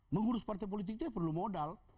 mengurus partai politik itu perlu modal